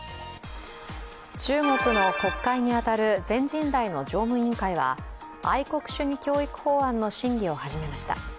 中国の国会に当たる全人代の常務委員会は愛国主義教育法案の審議を始めました。